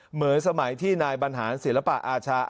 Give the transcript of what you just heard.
เหมือนสมัยที่นายบรรหารศิลปะอาชา